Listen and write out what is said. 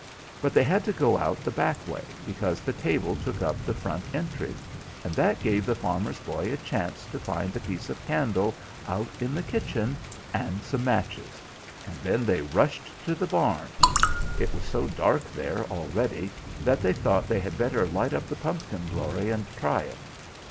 But they had to go out the back way, because the table took up the front entry, and that gave the farmer's boy a chance to find a piece of candle out in the kitchen and some matches; and then they rushed to the barn. It was so dark there already that they thought they had better light up the pumpkin glory and try it.